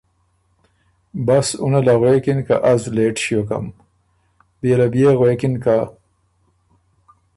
بس اُنه له غوېکِن که ”از لېټ ݭیوکم“ بيې له بيې غوېکن که